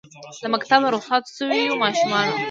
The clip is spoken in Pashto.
له مکتبه رخصت سویو ماشومانو